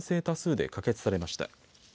多数で可決されました。